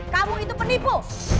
kamu itu penipu